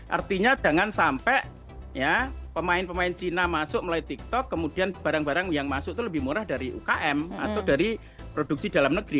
artinya jangan sampai pemain pemain cina masuk melalui tiktok kemudian barang barang yang masuk itu lebih murah dari ukm atau dari produksi dalam negeri